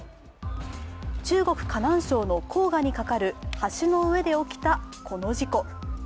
中国・河南省の黄河に架かる橋の上で起きたこの事故。